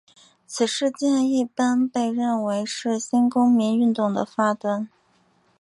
此事件一般被认为是新公民运动的发端。